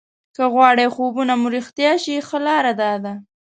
که غواړئ خوبونه مو رښتیا شي ښه لاره داده.